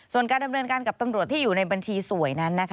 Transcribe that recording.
ส่วนการดำเนินการกับตำรวจที่อยู่ในบัญชีสวยนั้นนะคะ